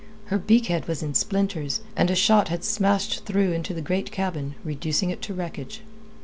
Her beak head was in splinters, and a shot had smashed through into the great cabin, reducing it to wreckage.